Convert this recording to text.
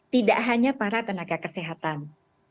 tidak hanya para tenaga kesehatan